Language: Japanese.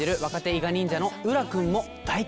伊賀忍者の宇良君も大活躍です。